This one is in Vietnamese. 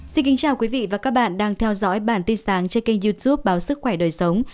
xin kính chào quý vị và các bạn đang theo dõi bản tin sáng trên kênh youtube báo sức khỏe đời sống